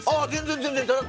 全然！